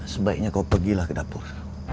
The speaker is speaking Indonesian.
sebaiknya kau pergilah ke dapur